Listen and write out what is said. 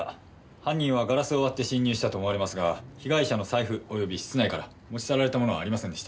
犯人はガラスを割って侵入したと思われますが被害者の財布及び室内から持ち去られた物はありませんでした。